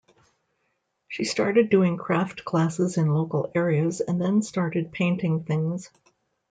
She started doing craft classes in local areas and then started painting things.